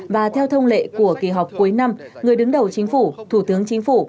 và theo thông lệ của kỳ họp cuối năm người đứng đầu chính phủ thủ tướng chính phủ